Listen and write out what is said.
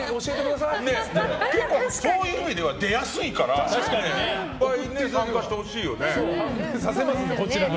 結構、そういう意味では出やすいからいっぱい、参加してほしいよね。